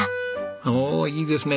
おおいいですね。